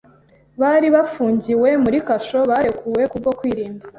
bari bafungiwe muri kasho barekuwe ku bwo kwirinda